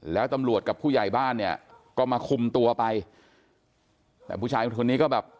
แล้วตำรวจกับผู้ใหญ่บ้านเนี่ยก็มาคุมตัวไปแต่ผู้ชายคนนี้ก็แบบ